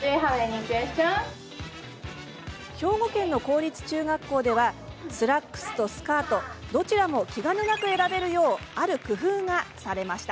兵庫県の公立中学校ではスラックスとスカートどちらも気兼ねなく選べるようある工夫がされました。